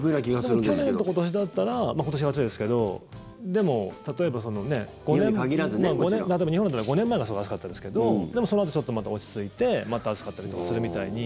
でも、去年と今年だったら今年が暑いですけどでも、例えば日本だったら５年前がすごい暑かったですけどでも、そのあとちょっとまた落ち着いてまた暑かったりとかするみたいに。